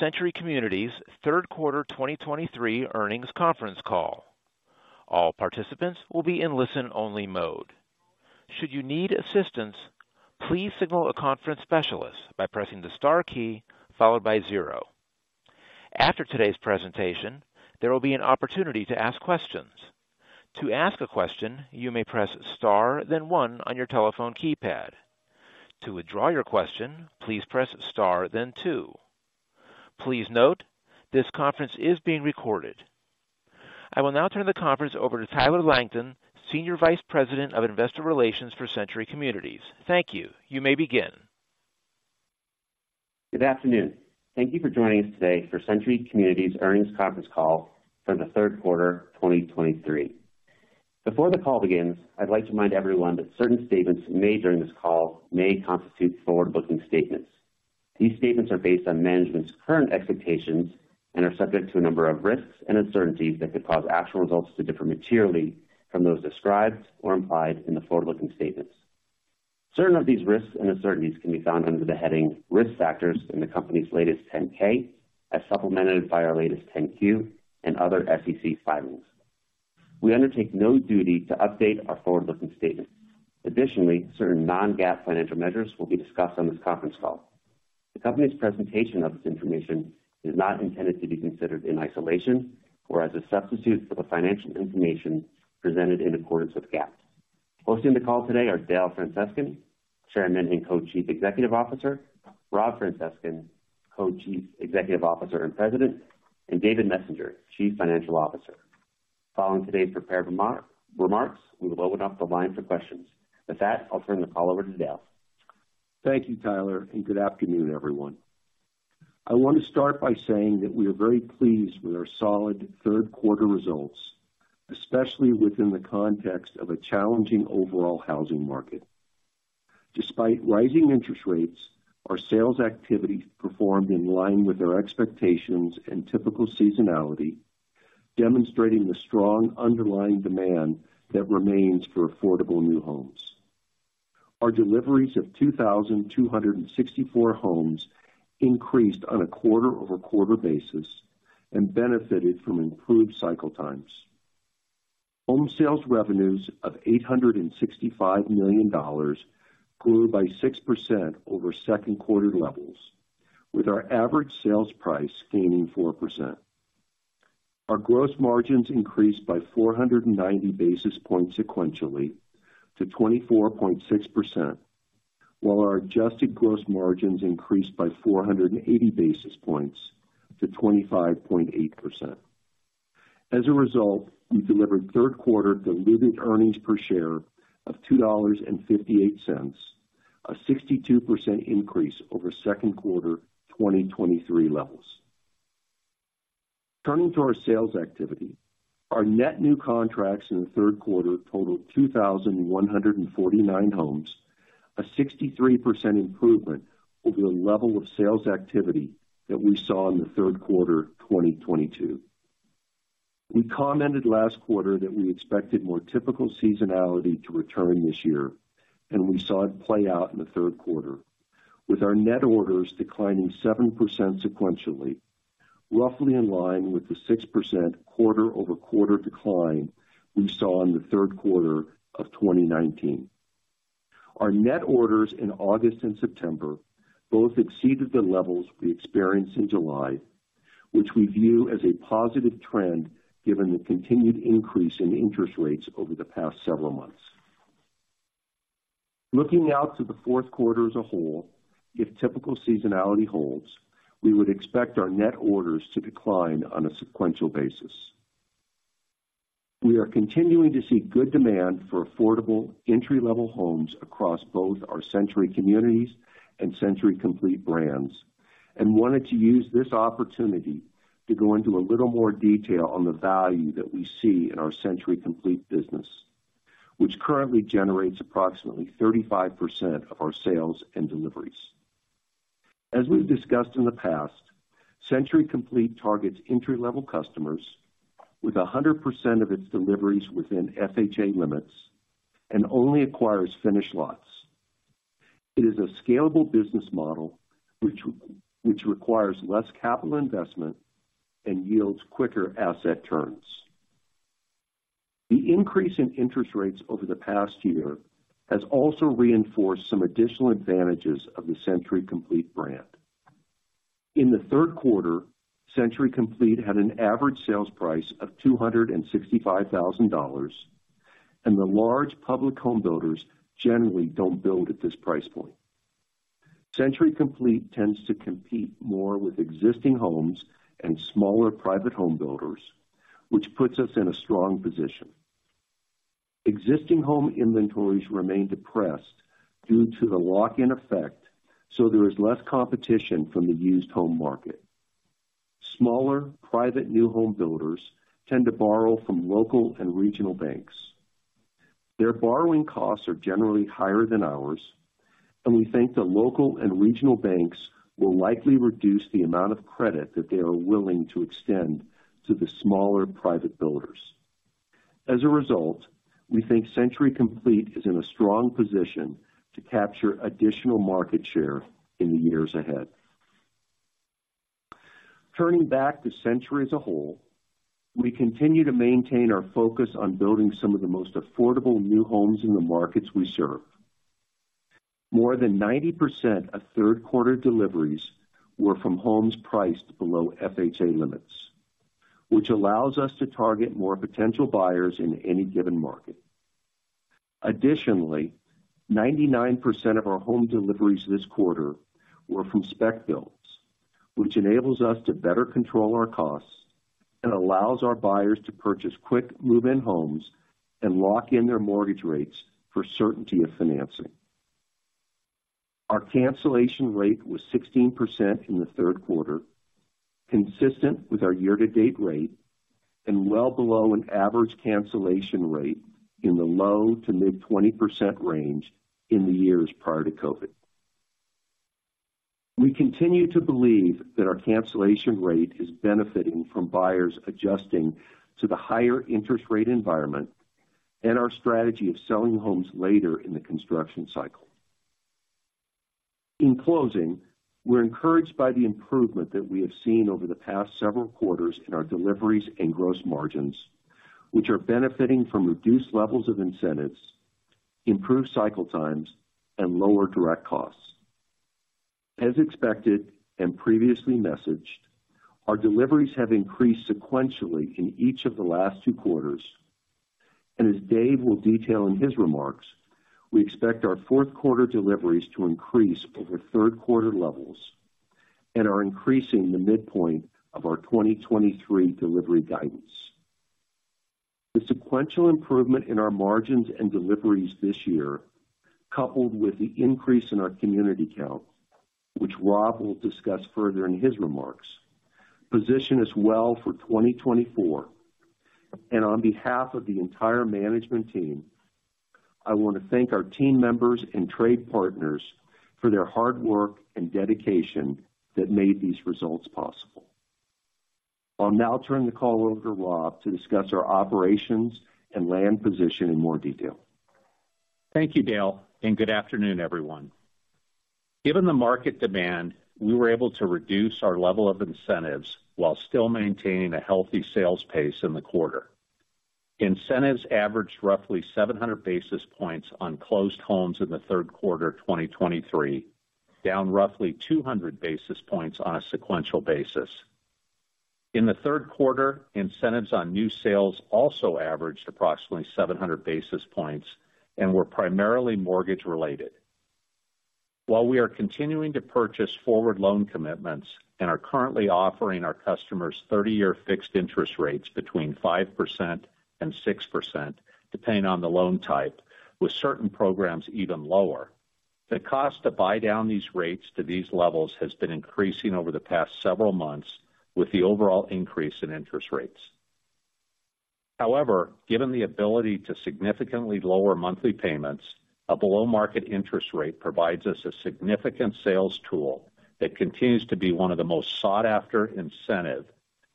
Century Communities Third Quarter 2023 Earnings Conference Call. All participants will be in listen-only mode. Should you need assistance, please signal a conference specialist by pressing the star key followed by zero. After today's presentation, there will be an opportunity to ask questions. To ask a question, you may press star then one on your telephone keypad. To withdraw your question, please press star then two. Please note, this conference is being recorded. I will now turn the conference over to Tyler Langton, Senior Vice President of Investor Relations for Century Communities. Thank you. You may begin. Good afternoon. Thank you for joining us today for Century Communities Earnings Conference Call for the Third Quarter, 2023. Before the call begins, I'd like to remind everyone that certain statements made during this call may constitute forward-looking statements. These statements are based on management's current expectations and are subject to a number of risks and uncertainties that could cause actual results to differ materially from those described or implied in the forward-looking statements. Certain of these risks and uncertainties can be found under the heading Risk Factors in the company's latest 10-K, as supplemented by our latest 10-Q and other SEC filings. We undertake no duty to update our forward-looking statements. Additionally, certain non-GAAP financial measures will be discussed on this conference call. The company's presentation of this information is not intended to be considered in isolation or as a substitute for the financial information presented in accordance with GAAP. Hosting the call today are Dale Francescon, Chairman and Co-Chief Executive Officer, Rob Francescon, Co-Chief Executive Officer and President, and David Messenger, Chief Financial Officer. Following today's prepared remarks, we will open up the line for questions. With that, I'll turn the call over to Dale. Thank you, Tyler, and good afternoon, everyone. I want to start by saying that we are very pleased with our solid third quarter results, especially within the context of a challenging overall housing market. Despite rising interest rates, our sales activity performed in line with our expectations and typical seasonality, demonstrating the strong underlying demand that remains for affordable new homes. Our deliveries of 2,264 homes increased on a quarter-over-quarter basis and benefited from improved cycle times. Home sales revenues of $865 million grew by 6% over second quarter levels, with our average sales price gaining 4%. Our gross margins increased by 490 basis points sequentially to 24.6%, while our adjusted gross margins increased by 480 basis points to 25.8%. As a result, we delivered third quarter diluted earnings per share of $2.58, a 62% increase over second quarter 2023 levels. Turning to our sales activity, our net new contracts in the third quarter totaled 2,149 homes, a 63% improvement over the level of sales activity that we saw in the third quarter of 2022. We commented last quarter that we expected more typical seasonality to return this year, and we saw it play out in the third quarter, with our net orders declining 7% sequentially, roughly in line with the 6% quarter-over-quarter decline we saw in the third quarter of 2019. Our net orders in August and September both exceeded the levels we experienced in July, which we view as a positive trend given the continued increase in interest rates over the past several months. Looking out to the fourth quarter as a whole, if typical seasonality holds, we would expect our net orders to decline on a sequential basis. We are continuing to see good demand for affordable entry-level homes across both our Century Communities and Century Complete brands, and wanted to use this opportunity to go into a little more detail on the value that we see in our Century Complete business, which currently generates approximately 35% of our sales and deliveries. As we've discussed in the past, Century Complete targets entry-level customers with 100% of its deliveries within FHA limits and only acquires finished lots. It is a scalable business model, which requires less capital investment and yields quicker asset turns. The increase in interest rates over the past year has also reinforced some additional advantages of the Century Complete brand. In the third quarter, Century Complete had an average sales price of $265,000, and the large public home builders generally don't build at this price point. Century Complete tends to compete more with existing homes and smaller private home builders, which puts us in a strong position. Existing home inventories remain depressed due to the lock-in effect, so there is less competition from the used home market. Smaller, private, new home builders tend to borrow from local and regional banks. Their borrowing costs are generally higher than ours, and we think the local and regional banks will likely reduce the amount of credit that they are willing to extend to the smaller private builders. As a result, we think Century Complete is in a strong position to capture additional market share in the years ahead. Turning back to Century as a whole, we continue to maintain our focus on building some of the most affordable new homes in the markets we serve. More than 90% of third quarter deliveries were from homes priced below FHA limits, which allows us to target more potential buyers in any given market. Additionally, 99% of our home deliveries this quarter were from spec builds, which enables us to better control our costs and allows our buyers to purchase quick move-in homes and lock in their mortgage rates for certainty of financing. Our cancellation rate was 16% in the third quarter, consistent with our year-to-date rate and well below an average cancellation rate in the low- to mid-20% range in the years prior to COVID. We continue to believe that our cancellation rate is benefiting from buyers adjusting to the higher interest rate environment and our strategy of selling homes later in the construction cycle. In closing, we're encouraged by the improvement that we have seen over the past several quarters in our deliveries and gross margins, which are benefiting from reduced levels of incentives, improved cycle times, and lower direct costs. As expected and previously messaged, our deliveries have increased sequentially in each of the last two quarters, and as Dave will detail in his remarks, we expect our fourth quarter deliveries to increase over third quarter levels and are increasing the midpoint of our 2023 delivery guidance. The sequential improvement in our margins and deliveries this year, coupled with the increase in our community count, which Rob will discuss further in his remarks, position us well for 2024. On behalf of the entire management team, I want to thank our team members and trade partners for their hard work and dedication that made these results possible. I'll now turn the call over to Rob to discuss our operations and land position in more detail. Thank you, Dale, and good afternoon, everyone. Given the market demand, we were able to reduce our level of incentives while still maintaining a healthy sales pace in the quarter. Incentives averaged roughly 700 basis points on closed homes in the third quarter of 2023, down roughly 200 basis points on a sequential basis. In the third quarter, incentives on new sales also averaged approximately 700 basis points and were primarily mortgage-related. While we are continuing to purchase forward loan commitments and are currently offering our customers 30-year fixed interest rates between 5% and 6%, depending on the loan type, with certain programs even lower, the cost to buy down these rates to these levels has been increasing over the past several months with the overall increase in interest rates. However, given the ability to significantly lower monthly payments, a below-market interest rate provides us a significant sales tool that continues to be one of the most sought-after incentive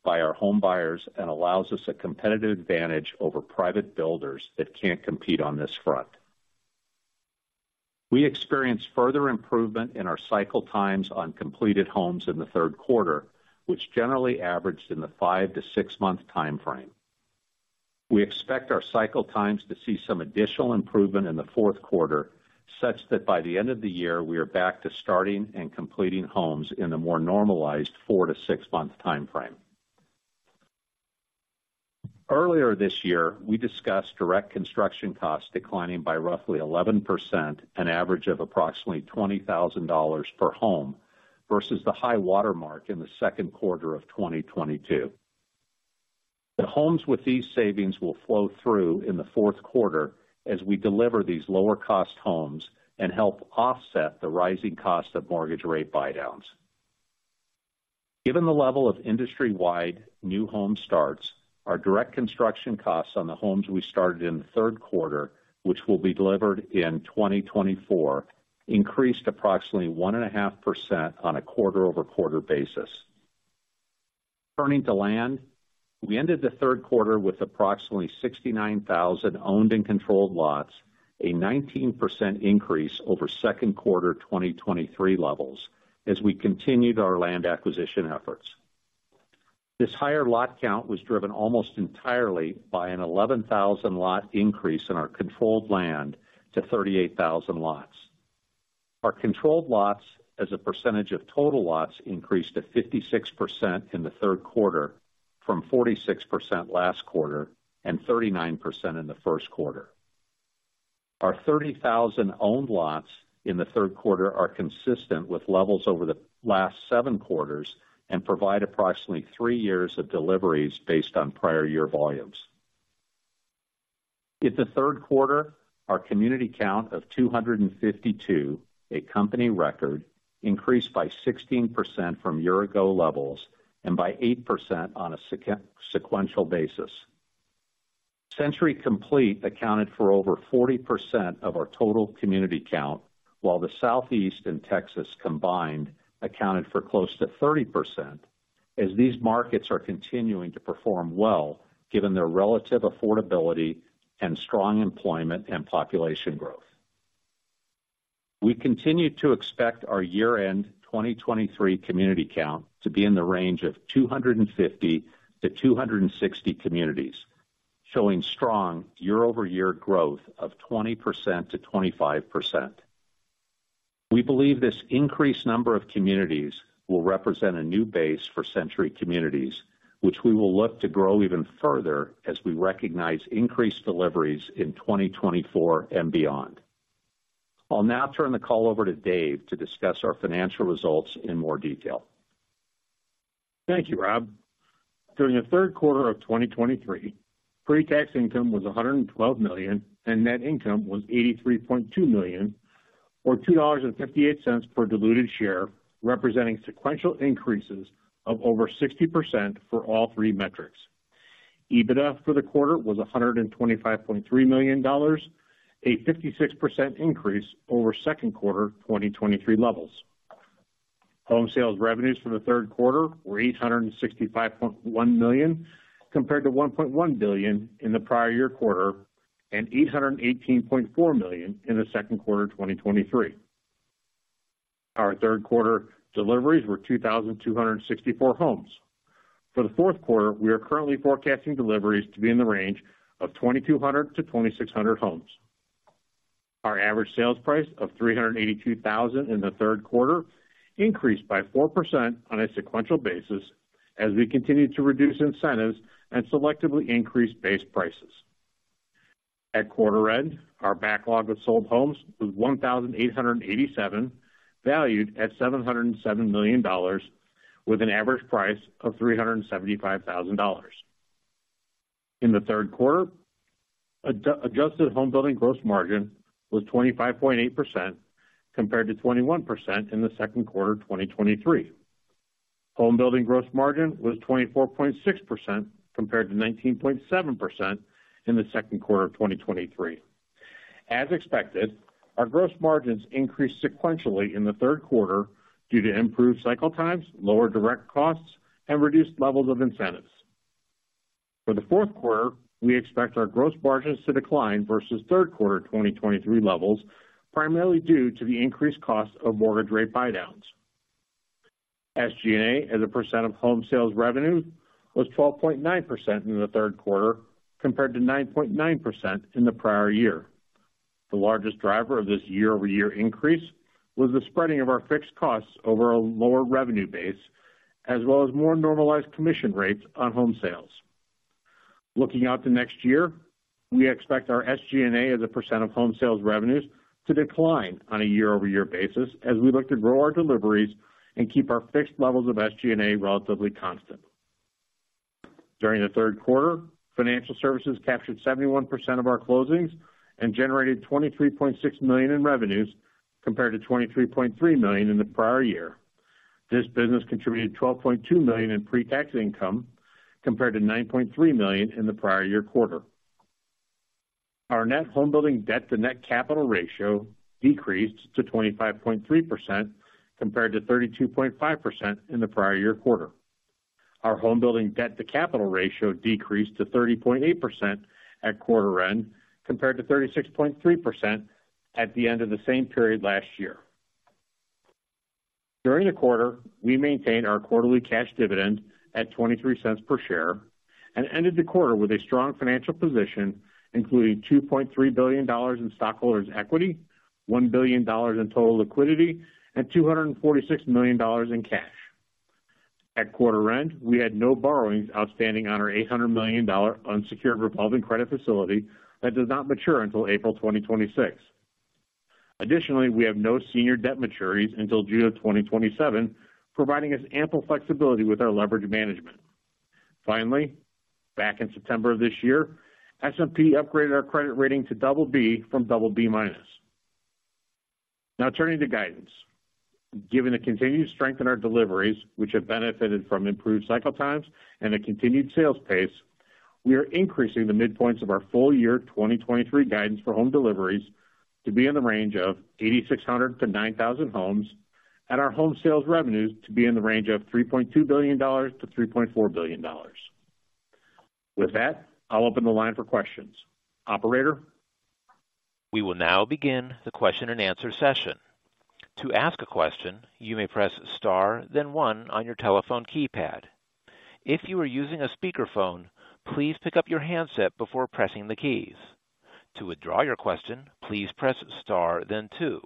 by our home buyers and allows us a competitive advantage over private builders that can't compete on this front. We experienced further improvement in our cycle times on completed homes in the third quarter, which generally averaged in the five to six month time frame. We expect our cycle times to see some additional improvement in the fourth quarter, such that by the end of the year, we are back to starting and completing homes in the more normalized 4- to 6-month time frame. Earlier this year, we discussed direct construction costs declining by roughly 11%, an average of approximately $20,000 per home, versus the high watermark in the second quarter of 2022. The homes with these savings will flow through in the fourth quarter as we deliver these lower-cost homes and help offset the rising cost of mortgage rate buydowns. Given the level of industry-wide new home starts, our direct construction costs on the homes we started in the third quarter, which will be delivered in 2024, increased approximately 1.5% on a quarter-over-quarter basis. Turning to land, we ended the third quarter with approximately 69,000 owned and controlled lots, a 19% increase over second quarter 2023 levels as we continued our land acquisition efforts. This higher lot count was driven almost entirely by an 11,000 lot increase in our controlled land to 38,000 lots. Our controlled lots as a percentage of total lots increased to 56% in the third quarter, from 46% last quarter and 39% in the first quarter. Our 30,000 owned lots in the third quarter are consistent with levels over the last seven quarters and provide approximately three years of deliveries based on prior year volumes. In the third quarter, our community count of 252, a company record, increased by 16% from year-ago levels and by 8% on a sequential basis. Century Complete accounted for over 40% of our total community count, while the Southeast and Texas combined accounted for close to 30%.... as these markets are continuing to perform well, given their relative affordability and strong employment and population growth. We continue to expect our year-end 2023 community count to be in the range of 250-260 communities, showing strong year-over-year growth of 20%-25%. We believe this increased number of communities will represent a new base for Century Communities, which we will look to grow even further as we recognize increased deliveries in 2024 and beyond. I'll now turn the call over to Dave to discuss our financial results in more detail. Thank you, Rob. During the third quarter of 2023, pre-tax income was $112 million, and net income was $83.2 million, or $2.58 per diluted share, representing sequential increases of over 60% for all three metrics. EBITDA for the quarter was $125.3 million, a 56% increase over second quarter 2023 levels. Home sales revenues for the third quarter were $865.1 million, compared to $1.1 billion in the prior year quarter, and $818.4 million in the second quarter 2023. Our third quarter deliveries were 2,264 homes. For the fourth quarter, we are currently forecasting deliveries to be in the range of 2,200-2,600 homes. Our average sales price of $382,000 in the third quarter increased by 4% on a sequential basis as we continued to reduce incentives and selectively increase base prices. At quarter end, our backlog of sold homes was 1,887, valued at $707 million, with an average price of $375,000. In the third quarter, adjusted home building gross margin was 25.8%, compared to 21% in the second quarter 2023. Home building gross margin was 24.6%, compared to 19.7% in the second quarter of 2023. As expected, our gross margins increased sequentially in the third quarter due to improved cycle times, lower direct costs, and reduced levels of incentives. For the fourth quarter, we expect our gross margins to decline versus third quarter 2023 levels, primarily due to the increased cost of mortgage rate buydowns. SG&A, as a percent of home sales revenue, was 12.9% in the third quarter, compared to 9.9% in the prior year. The largest driver of this year-over-year increase was the spreading of our fixed costs over a lower revenue base, as well as more normalized commission rates on home sales. Looking out to next year, we expect our SG&A as a percent of home sales revenues to decline on a year-over-year basis as we look to grow our deliveries and keep our fixed levels of SG&A relatively constant. During the third quarter, financial services captured 71% of our closings and generated $23.6 million in revenues, compared to $23.3 million in the prior year. This business contributed $12.2 million in pre-tax income, compared to $9.3 million in the prior year quarter. Our net home building debt to net capital ratio decreased to 25.3%, compared to 32.5% in the prior year quarter. Our home building debt to capital ratio decreased to 30.8% at quarter end, compared to 36.3% at the end of the same period last year. During the quarter, we maintained our quarterly cash dividend at $0.23 per share and ended the quarter with a strong financial position, including $2.3 billion in stockholders' equity, $1 billion in total liquidity, and $246 million in cash. At quarter end, we had no borrowings outstanding on our $800 million unsecured revolving credit facility that does not mature until April 2026. Additionally, we have no senior debt maturities until June of 2027, providing us ample flexibility with our leverage management. Finally, back in September of this year, S&P upgraded our credit rating to BB from BB-. Now turning to guidance. Given the continued strength in our deliveries, which have benefited from improved cycle times and a continued sales pace, we are increasing the midpoints of our full year 2023 guidance for home deliveries to be in the range of 8,600-9,000 homes, and our home sales revenues to be in the range of $3.2 billion-$3.4 billion. With that, I'll open the line for questions. Operator? We will now begin the question-and-answer session. To ask a question, you may press star, then one on your telephone keypad. If you are using a speakerphone, please pick up your handset before pressing the keys. To withdraw your question, please press star then two.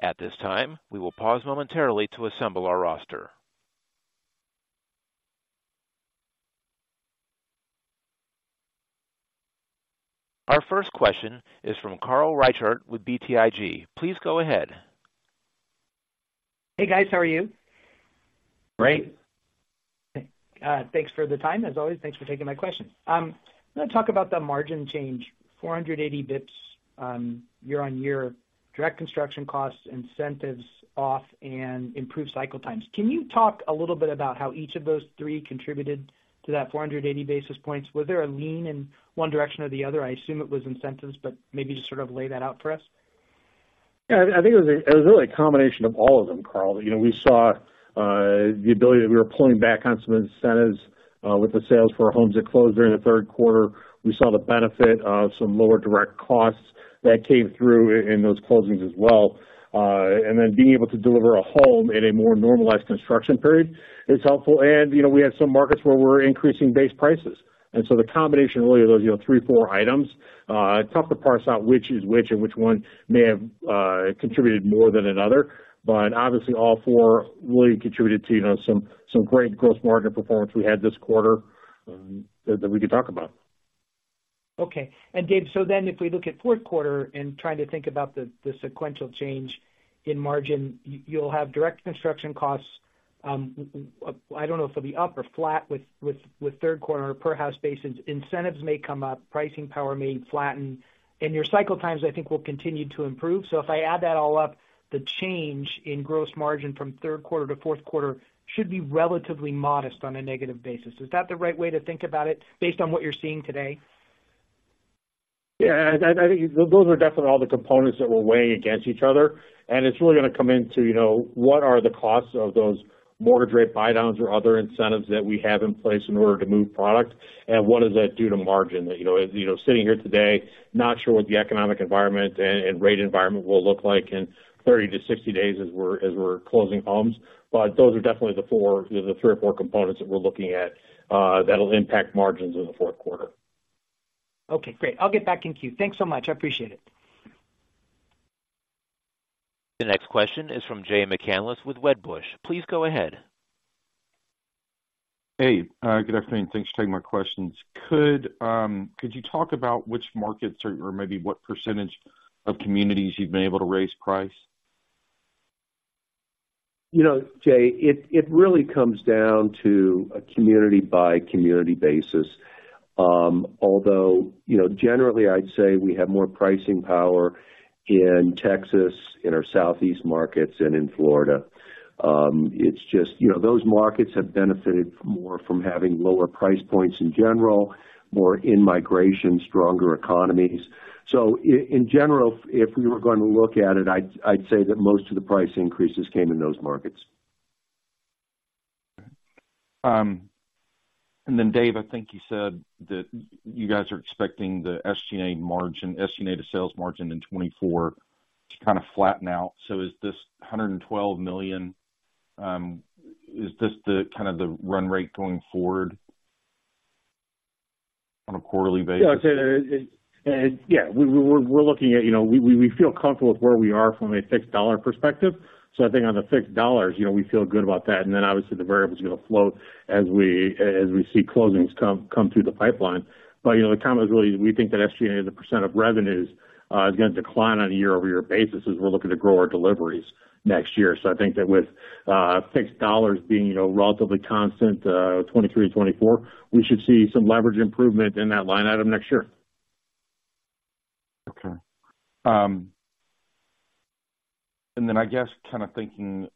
At this time, we will pause momentarily to assemble our roster. Our first question is from Carl Reichardt with BTIG. Please go ahead. Hey, guys, how are you? Great. Thanks for the time, as always. Thanks for taking my question. I'm gonna talk about the margin change, 480 basis points, year-on-year, direct construction costs, incentives off, and improved cycle times. Can you talk a little bit about how each of those three contributed to that 480 basis points? Was there a lean in one direction or the other? I assume it was incentives, but maybe just sort of lay that out for us. ... Yeah, I think it was really a combination of all of them, Carl. You know, we saw the ability that we were pulling back on some incentives with the sales for our homes that closed during the third quarter. We saw the benefit of some lower direct costs that came through in those closings as well. And then being able to deliver a home in a more normalized construction period is helpful. And, you know, we had some markets where we're increasing base prices. And so the combination really of those, you know, three, four items, it's tough to parse out which is which and which one may have contributed more than another. But obviously, all four really contributed to, you know, some great gross margin performance we had this quarter, that we could talk about. Okay. And Dave, so then, if we look at fourth quarter and trying to think about the sequential change in margin, you'll have direct construction costs. I don't know if it'll be up or flat with third quarter on a per house basis. Incentives may come up, pricing power may flatten, and your cycle times, I think, will continue to improve. So if I add that all up, the change in gross margin from third quarter to fourth quarter should be relatively modest on a negative basis. Is that the right way to think about it based on what you're seeing today? Yeah, I think those are definitely all the components that we're weighing against each other, and it's really going to come into, you know, what are the costs of those mortgage rate buydowns or other incentives that we have in place in order to move product, and what does that do to margin? That, you know, as you know, sitting here today, not sure what the economic environment and rate environment will look like in 30-60 days as we're closing homes. But those are definitely the four, you know, the three or four components that we're looking at that'll impact margins in the fourth quarter. Okay, great. I'll get back in queue. Thanks so much. I appreciate it. The next question is from Jay McCanless with Wedbush. Please go ahead. Hey, good afternoon, and thanks for taking my questions. Could you talk about which markets or maybe what percentage of communities you've been able to raise price? You know, Jay, it really comes down to a community-by-community basis. Although, you know, generally, I'd say we have more pricing power in Texas, in our Southeast markets, and in Florida. It's just, you know, those markets have benefited more from having lower price points in general, more in-migration, stronger economies. So in general, if we were going to look at it, I'd say that most of the price increases came in those markets. Okay. And then, Dave, I think you said that you guys are expecting the SG&A margin, SG&A to sales margin in 2024 to kind of flatten out. So is this $112 million, is this the kind of run rate going forward on a quarterly basis? Yeah, I'd say, it... Yeah, we, we're looking at, you know, we feel comfortable with where we are from a fixed dollar perspective. So I think on the fixed dollars, you know, we feel good about that, and then, obviously, the variable is going to float as we see closings come through the pipeline. But, you know, the comment was really, we think that SG&A, as a percent of revenues, is going to decline on a year-over-year basis as we're looking to grow our deliveries next year. So I think that with fixed dollars being, you know, relatively constant, 2023 to 2024, we should see some leverage improvement in that line item next year. Okay. And then, I guess, kind of thinking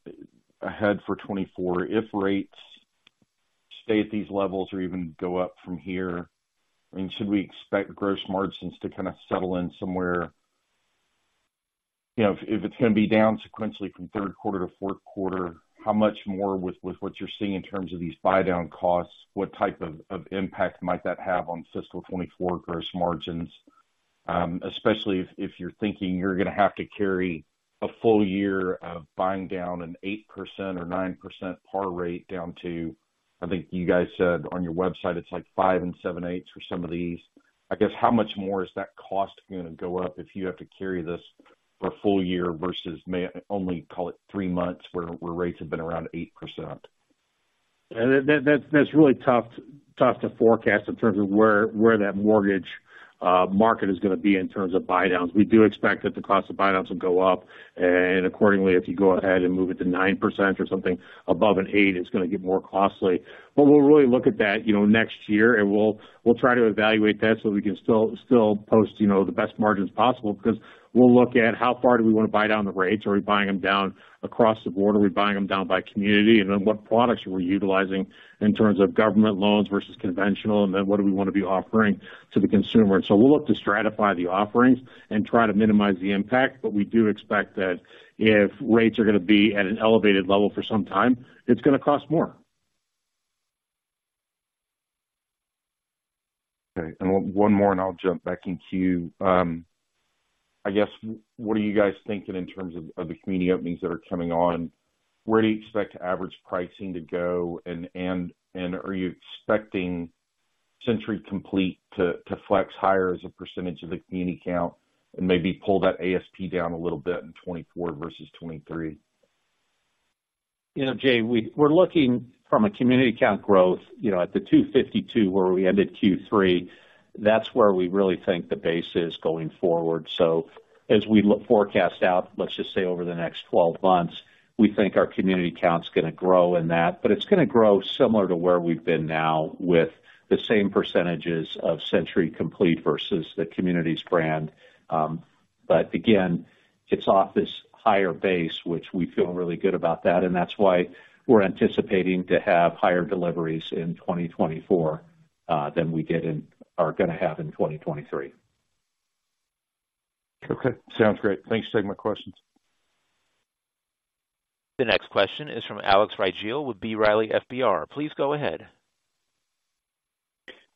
ahead for 2024, if rates stay at these levels or even go up from here, I mean, should we expect gross margins to kind of settle in somewhere... You know, if, if it's going to be down sequentially from third quarter to fourth quarter, how much more with, with what you're seeing in terms of these buydown costs, what type of, of impact might that have on fiscal 2024 gross margins? Especially if, if you're thinking you're going to have to carry a full year of buying down an 8% or 9% par rate down to, I think you guys said on your website, it's like 5%, 7%, 8% for some of these. I guess, how much more is that cost going to go up if you have to carry this for a full year versus may only call it three months, where, where rates have been around 8%? That's really tough to forecast in terms of where that mortgage market is going to be in terms of buydowns. We do expect that the cost of buydowns will go up, and accordingly, if you go ahead and move it to 9% or something above an 8%, it's going to get more costly. But we'll really look at that, you know, next year, and we'll try to evaluate that so we can still post, you know, the best margins possible. Because we'll look at how far do we want to buy down the rates. Are we buying them down across the board, or are we buying them down by community? And then what products are we utilizing in terms of government loans versus conventional, and then what do we want to be offering to the consumer? We'll look to stratify the offerings and try to minimize the impact, but we do expect that if rates are going to be at an elevated level for some time, it's going to cost more. Okay, and one more, and I'll jump back in queue. I guess, what are you guys thinking in terms of, of the community openings that are coming on? Where do you expect average pricing to go, and, and, and are you expecting Century Complete to, to flex higher as a percentage of the community count and maybe pull that ASP down a little bit in 2024 versus 2023? You know, Jay, we're looking from a community count growth, you know, at the 252, where we ended Q3, that's where we really think the base is going forward. So as we forecast out, let's just say, over the next 12 months, we think our community count is going to grow in that. But it's going to grow similar to where we've been now, with the same percentages of Century Complete versus the Communities brand. But again, it's off this higher base, which we feel really good about that, and that's why we're anticipating to have higher deliveries in 2024 than we did in, are going to have in 2023. Okay, sounds great. Thanks. That's my questions. The next question is from Alex Rygiel with B. Riley FBR. Please go ahead.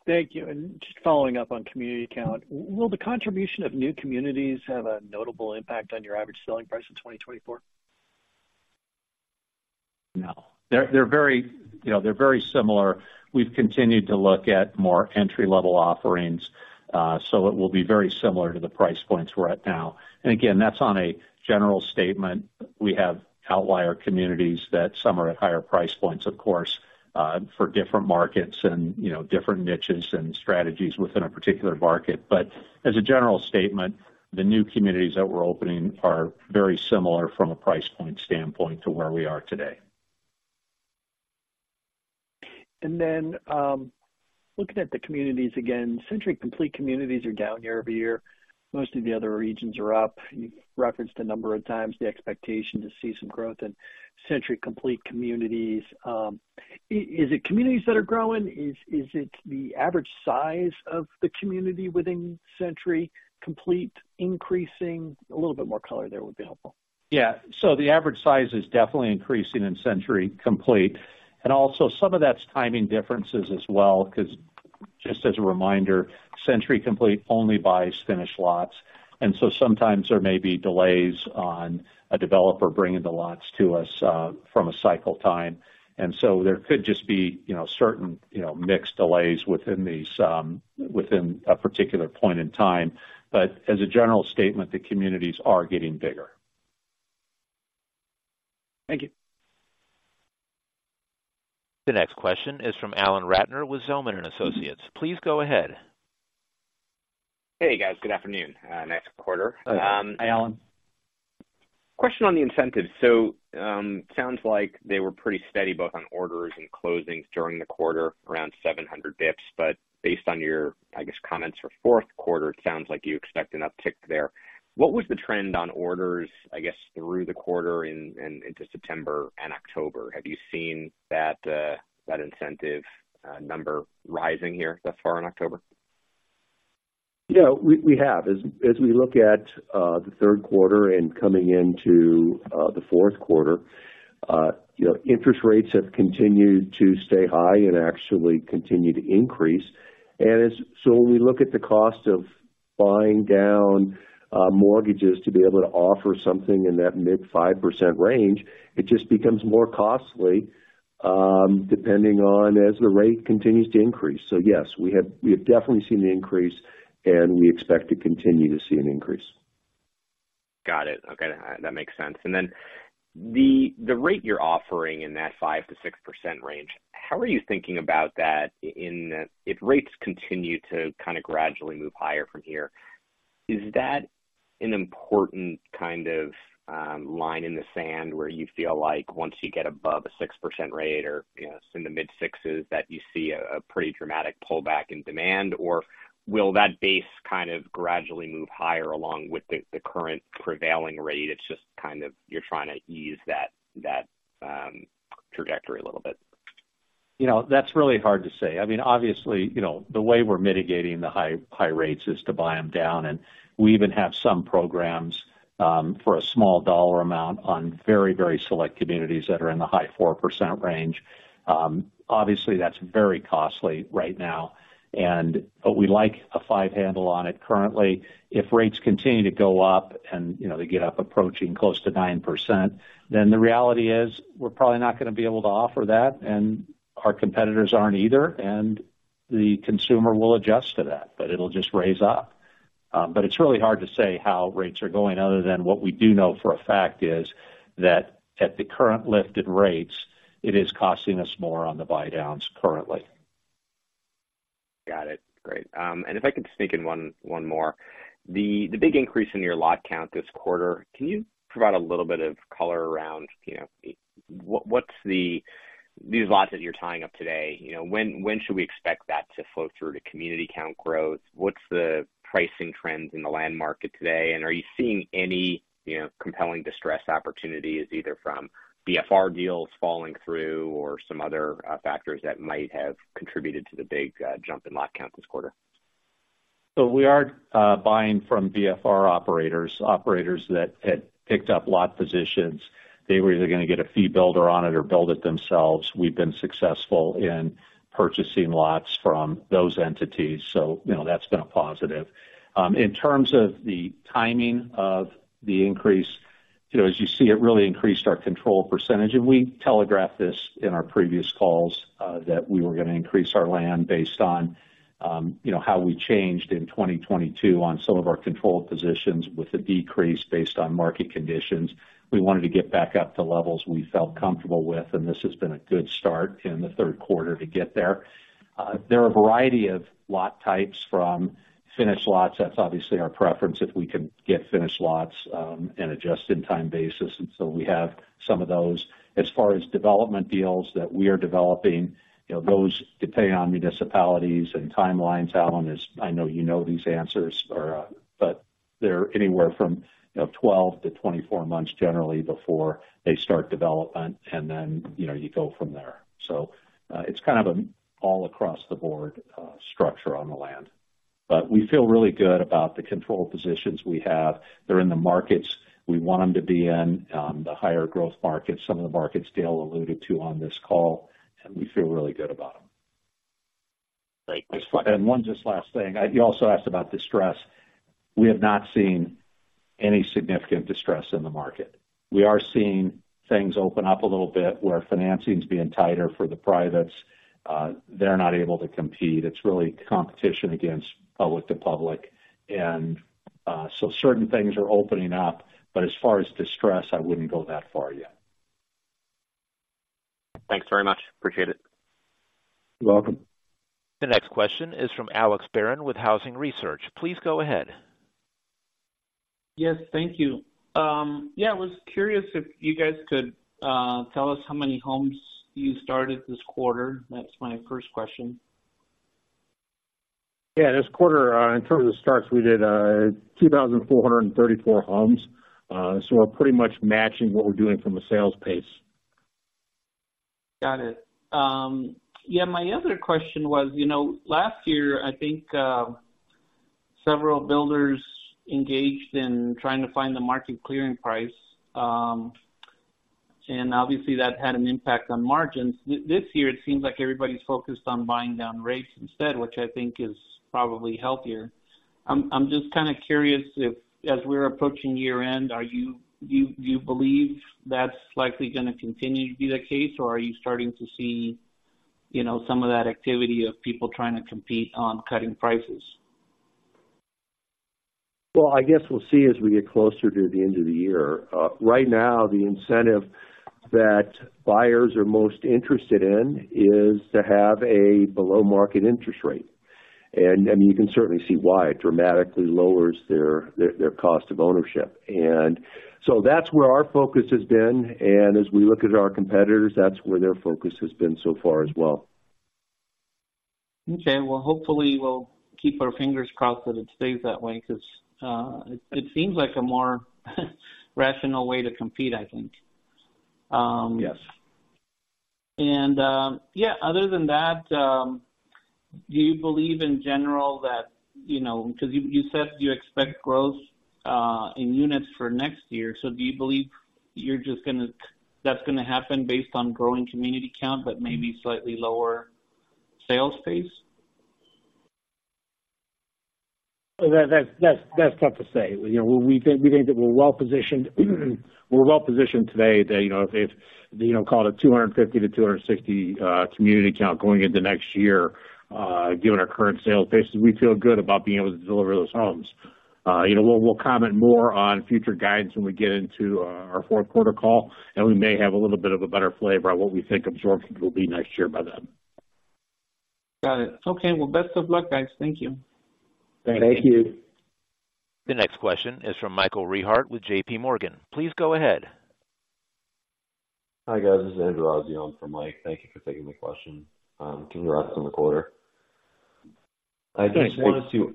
Thank you. Just following up on community count, will the contribution of new communities have a notable impact on your average selling price in 2024? No. They're, they're very, you know, they're very similar. We've continued to look at more entry-level offerings, so it will be very similar to the price points we're at now. And again, that's on a general statement. We have outlier communities that some are at higher price points, of course, for different markets and, you know, different niches and strategies within a particular market. But as a general statement, the new communities that we're opening are very similar from a price point standpoint to where we are today. Looking at the communities, again, Century Complete communities are down year-over-year. Most of the other regions are up. You've referenced a number of times the expectation to see some growth in Century Complete communities. Is it communities that are growing? Is it the average size of the community within Century Complete increasing? A little bit more color there would be helpful. Yeah. So the average size is definitely increasing in Century Complete, and also some of that's timing differences as well, because just as a reminder, Century Complete only buys finished lots, and so sometimes there may be delays on a developer bringing the lots to us, from a cycle time. And so there could just be, you know, certain, you know, mixed delays within these, within a particular point in time. But as a general statement, the communities are getting bigger. Thank you. The next question is from Alan Ratner with Zelman and Associates. Please go ahead. Hey, guys, good afternoon. Nice quarter. Hi, Alan. Question on the incentives. So, sounds like they were pretty steady, both on orders and closings during the quarter, around 700 basis points. But based on your, I guess, comments for fourth quarter, it sounds like you expect an uptick there. What was the trend on orders, I guess, through the quarter into September and October? Have you seen that incentive number rising here thus far in October? Yeah, we have. As we look at the third quarter and coming into the fourth quarter, you know, interest rates have continued to stay high and actually continue to increase. So when we look at the cost of buying down mortgages to be able to offer something in that mid-5% range, it just becomes more costly, depending on as the rate continues to increase. So yes, we have definitely seen the increase, and we expect to continue to see an increase. Got it. Okay, that makes sense. And then the, the rate you're offering in that 5%-6% range, how are you thinking about that in... If rates continue to kind of gradually move higher from here, is that an important kind of, line in the sand, where you feel like once you get above a 6% rate or, you know, it's in the mid-6s, that you see a, a pretty dramatic pullback in demand? Or will that base kind of gradually move higher along with the, the current prevailing rate, it's just kind of you're trying to ease that, that, trajectory a little bit? You know, that's really hard to say. I mean, obviously, you know, the way we're mitigating the high, high rates is to buy them down, and we even have some programs, for a small dollar amount on very, very select communities that are in the high 4% range. Obviously, that's very costly right now and, but we like a 5 handle on it currently. If rates continue to go up and, you know, they get up approaching close to 9%, then the reality is, we're probably not going to be able to offer that, and our competitors aren't either, and the consumer will adjust to that, but it'll just raise up. But it's really hard to say how rates are going, other than what we do know for a fact is that at the current lifted rates, it is costing us more on the buydowns currently. Got it. Great. And if I could just sneak in one, one more. The big increase in your lot count this quarter, can you provide a little bit of color around, you know, what, what's the... These lots that you're tying up today, you know, when should we expect that to flow through to community count growth? What's the pricing trends in the land market today? And are you seeing any, you know, compelling distressed opportunities, either from BFR deals falling through or some other factors that might have contributed to the big jump in lot count this quarter? So we are buying from BFR operators, operators that had picked up lot positions. They were either going to get a fee builder on it or build it themselves. We've been successful in purchasing lots from those entities, so you know, that's been a positive. In terms of the timing of the increase, you know, as you see, it really increased our control percentage, and we telegraphed this in our previous calls, that we were going to increase our land based on, you know, how we changed in 2022 on some of our control positions with a decrease based on market conditions. We wanted to get back up to levels we felt comfortable with, and this has been a good start in the third quarter to get there. There are a variety of lot types from finished lots. That's obviously our preference, if we can get finished lots, in an adjusted time basis, and so we have some of those. As far as development deals that we are developing, you know, those depend on municipalities and timelines, Alan, as I know you know these answers are, they're anywhere from, you know, 12-24 months generally before they start development, and then, you know, you go from there. So, it's kind of an all across the board, structure on the land. But we feel really good about the control positions we have. They're in the markets we want them to be in, the higher growth markets, some of the markets Dale alluded to on this call, and we feel really good about them. Great. One just last thing. You also asked about distress. We have not seen any significant distress in the market. We are seeing things open up a little bit where financing is being tighter for the privates. They're not able to compete. It's really competition against public to public. So certain things are opening up. But as far as distress, I wouldn't go that far yet. Thanks very much. Appreciate it. You're welcome. The next question is from Alex Barron with Housing Research. Please go ahead. Yes, thank you. Yeah, I was curious if you guys could tell us how many homes you started this quarter? That's my first question. Yeah, this quarter, in terms of the starts, we did 2,434 homes. So we're pretty much matching what we're doing from a sales pace. Got it. Yeah, my other question was, you know, last year, I think, several builders engaged in trying to find the market clearing price, and obviously, that had an impact on margins. This year, it seems like everybody's focused on buying down rates instead, which I think is probably healthier. I'm just kind of curious if, as we're approaching year-end, are you-- do you believe that's likely gonna continue to be the case, or are you starting to see, you know, some of that activity of people trying to compete on cutting prices? Well, I guess we'll see as we get closer to the end of the year. Right now, the incentive that buyers are most interested in is to have a below-market interest rate. And you can certainly see why it dramatically lowers their cost of ownership. And so that's where our focus has been, and as we look at our competitors, that's where their focus has been so far as well. Okay. Well, hopefully we'll keep our fingers crossed that it stays that way, because it seems like a more rational way to compete, I think. Yes. Yeah, other than that, do you believe in general that, you know, because you, you said you expect growth in units for next year, so do you believe you're just gonna, that's gonna happen based on growing community count, but maybe slightly lower sales pace? That's tough to say. You know, we think that we're well positioned. We're well positioned today, you know, if you know, call it 250-260 community count going into next year, given our current sales basis, we feel good about being able to deliver those homes. You know, we'll comment more on future guidance when we get into our fourth quarter call, and we may have a little bit of a better flavor on what we think absorption will be next year by then. Got it. Okay. Well, best of luck, guys. Thank you. Thank you. Thank you. The next question is from Michael Rehaut with JPMorgan. Please go ahead. Hi, guys. This is Andrew Azzi in for Mike. Thank you for taking my question. Congrats on the quarter. I just wanted to-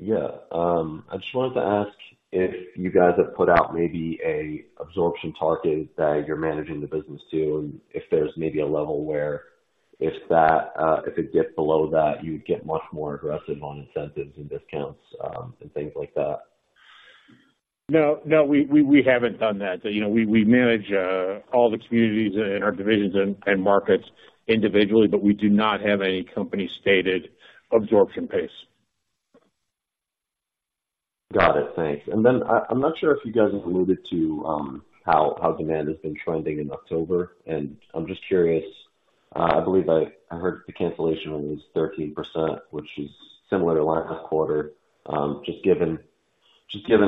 Yeah. Yeah, I just wanted to ask if you guys have put out maybe an absorption target that you're managing the business to, if there's maybe a level where if that, if it gets below that, you would get much more aggressive on incentives and discounts, and things like that. No, we haven't done that. You know, we manage all the communities and our divisions and markets individually, but we do not have any company-stated absorption pace. Got it. Thanks. And then, I'm not sure if you guys have alluded to how demand has been trending in October, and I'm just curious. I believe I heard the cancellation was 13%, which is similar to last quarter. Just given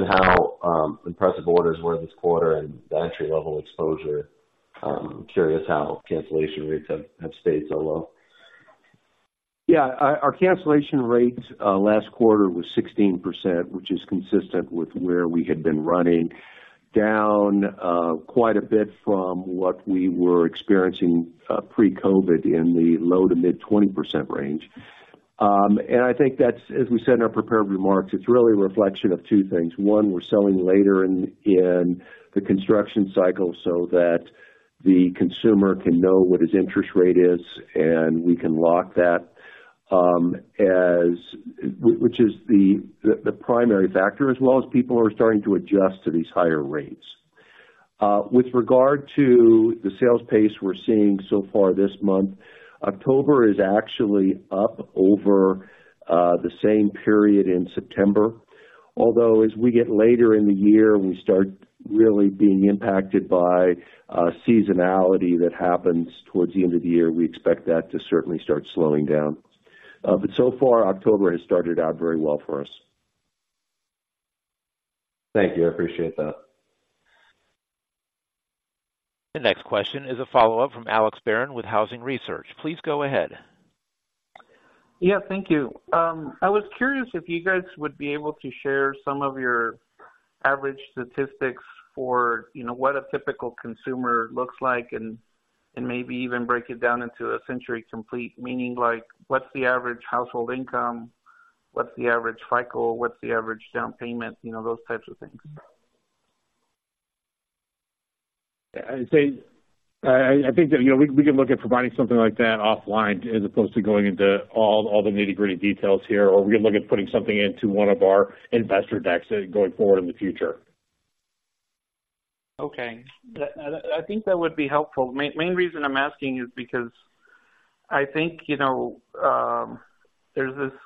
how impressive orders were this quarter and the entry-level exposure, I'm curious how cancellation rates have stayed so low. Yeah. Our cancellation rates last quarter was 16%, which is consistent with where we had been running, down quite a bit from what we were experiencing pre-COVID in the low- to mid-20% range. And I think that's, as we said in our prepared remarks, it's really a reflection of two things. One, we're selling later in the construction cycle so that the consumer can know what his interest rate is, and we can lock that, which is the primary factor, as well as people are starting to adjust to these higher rates. With regard to the sales pace we're seeing so far this month, October is actually up over the same period in September. Although, as we get later in the year, we start really being impacted by seasonality that happens towards the end of the year. We expect that to certainly start slowing down. But so far, October has started out very well for us. Thank you. I appreciate that. The next question is a follow-up from Alex Barron with Housing Research. Please go ahead. Yeah, thank you. I was curious if you guys would be able to share some of your average statistics for, you know, what a typical consumer looks like, and maybe even break it down into a Century Complete. Meaning, like, what's the average household income? What's the average FICO? What's the average down payment? You know, those types of things. I'd say, I think that, you know, we can look at providing something like that offline, as opposed to going into all the nitty-gritty details here, or we can look at putting something into one of our investor decks going forward in the future. Okay. That, I think that would be helpful. Main, main reason I'm asking is because I think, you know, there's this,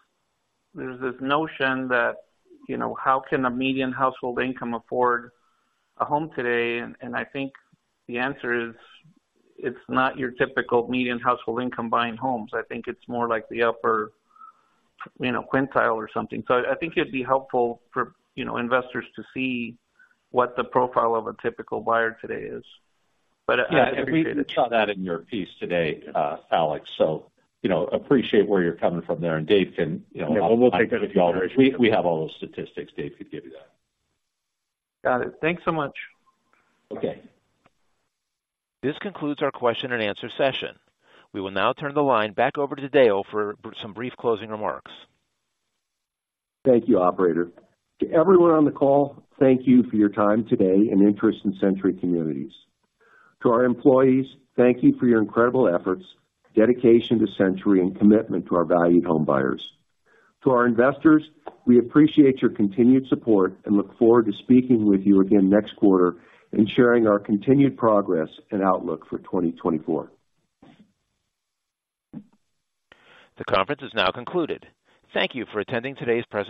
there's this notion that, you know, how can a median household income afford a home today? And I think the answer is, it's not your typical median household income buying homes. I think it's more like the upper, you know, quintile or something. So I think it'd be helpful for, you know, investors to see what the profile of a typical buyer today is. But, Yeah, we saw that in your piece today, Alex, so, you know, appreciate where you're coming from there, and Dave can, you know- Yeah, we'll take that into consideration. We have all those statistics. Dave could give you that. Got it. Thanks so much. Okay. This concludes our question and answer session. We will now turn the line back over to Dale for some brief closing remarks. Thank you, operator. To everyone on the call, thank you for your time today and interest in Century Communities. To our employees, thank you for your incredible efforts, dedication to Century, and commitment to our valued homebuyers. To our investors, we appreciate your continued support and look forward to speaking with you again next quarter and sharing our continued progress and outlook for 2024. The conference is now concluded. Thank you for attending today's press-